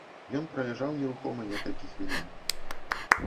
Ён праляжаў нерухома некалькі хвілін.